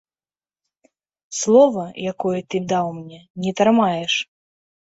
Слова, якое ты даў мне, не трымаеш.